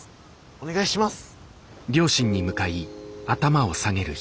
お願いします！